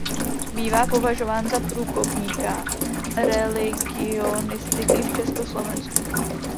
Bývá považován za průkopníka religionistiky v Československu.